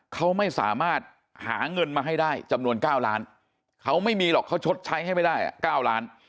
เขาไม่สามารถหาเงินมาให้ได้จำนวน๙ล้านเขาไม่มีหรอกเขาชดใช้ให้ไม่ได้๙ล้าน